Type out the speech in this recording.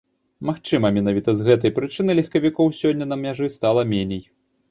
Магчыма, менавіта з гэтай прычыны легкавікоў сёння на мяжы стала меней.